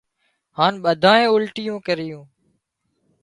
هانَ ٻڌانئي اُلٽيون ڪريون